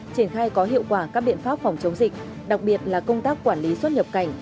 triển khai có hiệu quả các biện pháp phòng chống dịch đặc biệt là công tác quản lý xuất nhập cảnh